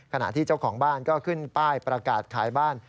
ขณะที่เจ้าของบ้านก็ขึ้นป้ายประกาศขายบ้าน